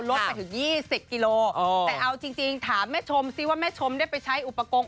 ไปถึง๒๐กิโลแต่เอาจริงถามแม่ชมซิว่าแม่ชมได้ไปใช้อุปกรณ์